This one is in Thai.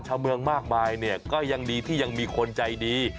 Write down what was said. ชาวเมืองมากมายเนี่ยก็ยังดีที่ยังมีคนใจดี